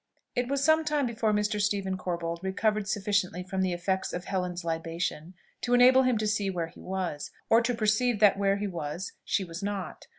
It was some time before Mr. Stephen Corbold recovered sufficiently from the effects of Helen's libation to enable him to see where he was, or to perceive that where he was, she was not.